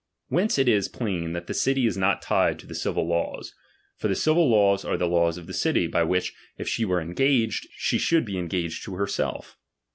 Whence it is plain, that the city is not tied to the civil laws ; for the civil laws are the laws of the city, by which, if she were engaged, she should be engaged to herself.